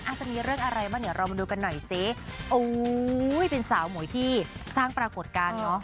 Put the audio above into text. จะมีเรื่องอะไรบ้างเนี่ยเรามาดูกันหน่อยสิโอ้ยเป็นสาวหมวยที่สร้างปรากฏการณ์เนอะ